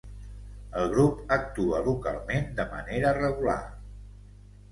El grup actua localment de manera regular.